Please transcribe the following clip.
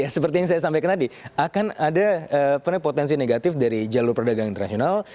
seperti yang saya sampaikan tadi akan ada potensi negatif dari jalur perdagangan internasional